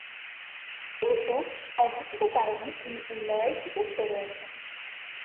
কিন্তু অঘোষিত কারণে তিনি এই লড়াই থেকে সরে আসেন।